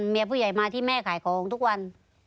เมียผู้ใหญ่มาที่แม่ขายของทุกวัน